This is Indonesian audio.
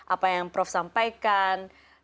apa yang prof sampaikan